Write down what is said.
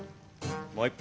もう一本。